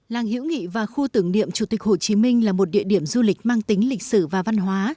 làng hiễu nghị và khu tưởng niệm chủ tịch hồ chí minh là một địa điểm du lịch mang tính lịch sử và văn hóa